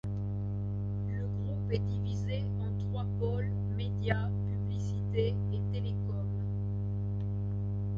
Le groupe est divisé en trois pôle Média, Publicité et Télécom.